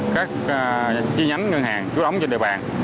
các chi nhánh ngân hàng chủ đóng trên địa bàn